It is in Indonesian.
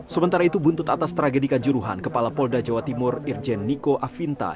sementara itu buntut atas tragedikan juruhan kepala polda jawa timur irjen niko afinta